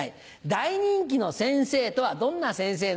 大人気の先生とはどんな先生なのか。